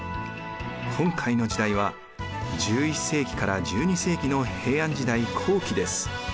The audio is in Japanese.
今回の時代は１１世紀から１２世紀の平安時代後期です。